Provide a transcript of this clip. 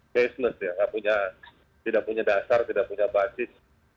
caseness ya tidak punya dasar tidak punya basis